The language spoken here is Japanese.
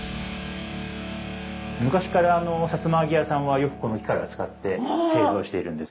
昔からさつま揚げ屋さんはよくこの機械を使って製造しているんです。